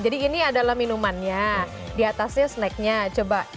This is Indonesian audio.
jadi ini adalah minumannya diatasnya snacknya coba